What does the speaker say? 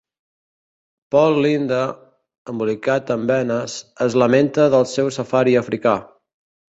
Paul Lynde, embolicat en benes, es lamenta del seu safari africà.